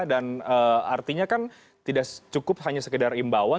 dan artinya kan tidak cukup hanya sekedar imbauan